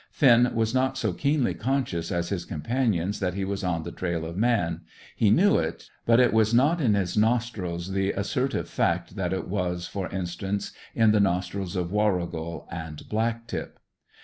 Finn was not so keenly conscious as his companions that he was on the trail of man. He knew it; but it was not in his nostrils the assertive fact that it was, for instance, in the nostrils of Warrigal and Black tip.